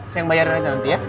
saya yang bayar aja nanti ya